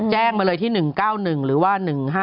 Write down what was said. แจ้งมาเลยที่๑๙๑หรือว่า๑๕๗